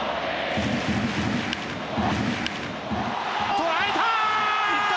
捉えた！